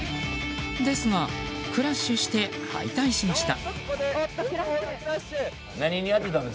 ですがクラッシュして敗退しました。